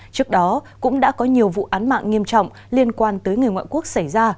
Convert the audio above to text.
trước đó cũng đã có nhiều vụ án mạng nghiêm trọng liên quan tới người ngoại quốc xảy ra